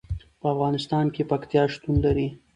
په افغانستان کې پکتیا شتون لري.